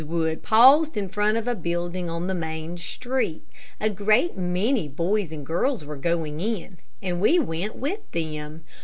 Wood paused in front of a building on the main street. A great many boys and girls were going in, and we went with them.